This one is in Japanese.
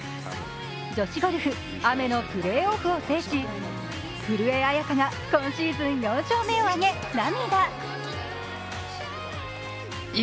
女子ゴルフ、雨のプレーオフを制し古江彩佳が今シーズン４勝目を挙げ涙。